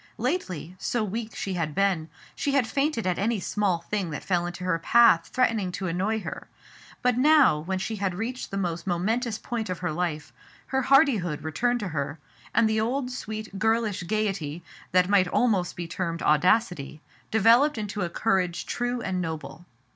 Lately, so weak she had been, she had fainted at any small thing that fell into her path threatening to annoy her; but now, when she had reached the most momentous point of her life, her hardihood returned to her, and the old, sweet, girlish gayety, that might almost be termed audacity, developed into a courage true and noble.